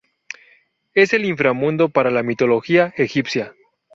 Es el inframundo para la mitología egipcia.